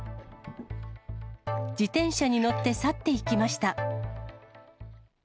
自転車に乗って去っていきました。